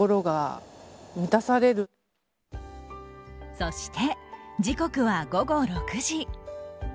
そして、時刻は午後６時。